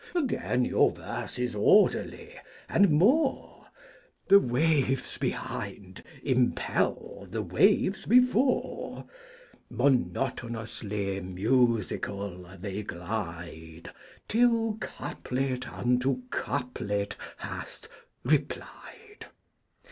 Again, your Verse is orderly, and more, 'The Waves behind impel the Waves before;' Monotonously musical they glide, Till Couplet unto Couplet hath replied.